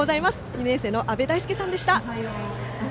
２年生の阿部大輔さんでした。